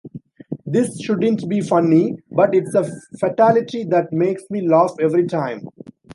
This shouldn't be funny, but it's a fatality that makes me laugh every time.